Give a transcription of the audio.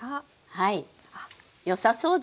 はい。